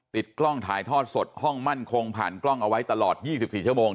ติดกล้องถ่ายทอดสดห้องมั่นคงผ่านกล้องเอาไว้ตลอด๒๔ชั่วโมง